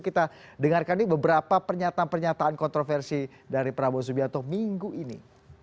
kita dengarkan nih beberapa pernyataan pernyataan kontroversi dari prabowo subianto minggu ini